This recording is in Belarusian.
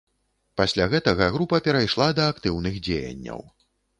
Пасля гэтага група перайшла да актыўных дзеянняў.